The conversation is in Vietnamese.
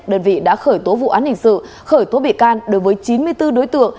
đơn vị đã khởi tố vụ án hình sự khởi tố bị can đối với chín mươi bốn đối tượng